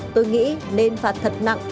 tôi nghĩ nên phạt thật nặng